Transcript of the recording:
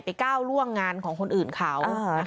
ก้าวล่วงงานของคนอื่นเขา